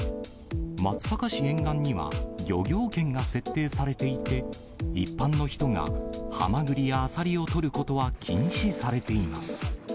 松阪市沿岸には漁業権が設定されていて、一般の人がハマグリやアサリを採ることは禁止されています。